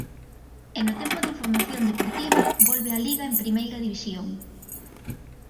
E no tempo da información deportiva, volve a Liga en Primeira División...